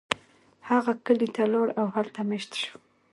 هغه کلی ته لاړ او هلته میشت شو.